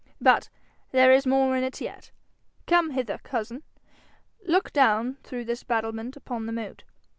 But there is more in it yet. Come hither, cousin. Look down through this battlement upon the moat.